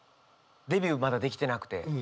デビューまだできてなくて。